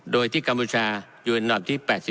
โดยที่กัมพูชาอยู่อันดับที่๘๔